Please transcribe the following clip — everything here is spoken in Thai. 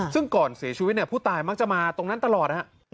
ซึ่งก่อนเสียชีวิตผู้ตายมักจะมาตรงนั้นตลอด